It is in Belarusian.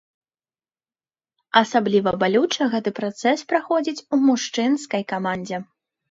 Асабліва балюча гэты працэс праходзіць у мужчынскай камандзе.